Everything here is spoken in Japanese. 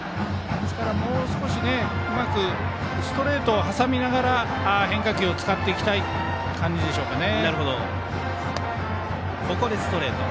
ですから、もう少しストレートを挟みながら変化球を使っていきたい感じでしょうかね。